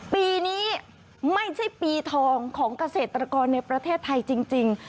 ปีนี้ไม่ใช่ปีทองของเกษตรกรในประเทศไทยจริง